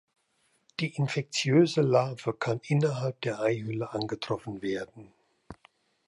Die infektiöse Larve kann innerhalb der Eihülle angetroffen werden.